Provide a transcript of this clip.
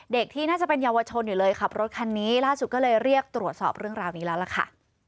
ที่น่าจะเป็นเยาวชนอยู่เลยขับรถคันนี้ล่าสุดก็เลยเรียกตรวจสอบเรื่องราวนี้แล้วล่ะค่ะ